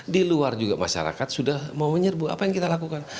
di luar juga masyarakat sudah mau menyerbu apa yang kita lakukan